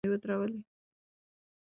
هغه خېمې ودرولې.